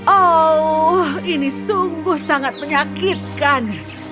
oh ini sungguh sangat menyakitkan